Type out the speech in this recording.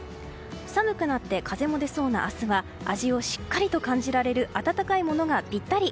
寒くなって風も出そうな明日は味をしっかりと感じられる温かいものがぴったり。